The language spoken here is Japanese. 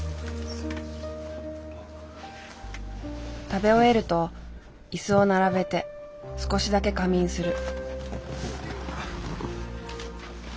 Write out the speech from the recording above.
食べ終えると椅子を並べて少しだけ仮眠する。